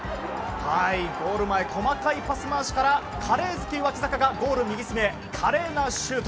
ゴール前、細かいパス回しからカレー好きな脇坂が脇坂が華麗なシュート。